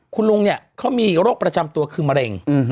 คุณลุงเนี่ยเขามีโรคประจำตัวคือมะเร็ง